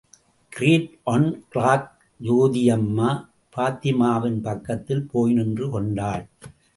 Great one clerk Jothiamma, பாத்திமாவின் பக்கத்தில் போய் நின்று கொண்டாள்.